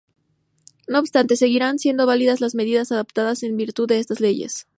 No obstante, seguirán siendo válidas las medidas adoptadas en virtud de estas leyes.